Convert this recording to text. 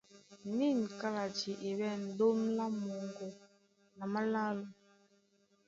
Nîn kálati e ɓɛ̂n ɗóm lá moŋgo na málálo.